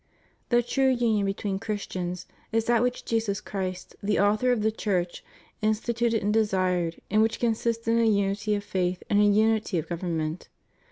The true union between Christians is that which Jesus Christ, the Author of the Church, instituted and desired, and which consists in a imity of faith and a unity of gov ernment.